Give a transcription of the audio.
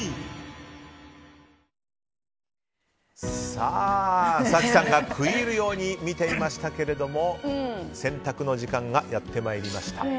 さあ、早紀さんが食い入るように見ていましたが選択の時間がやってまいりました。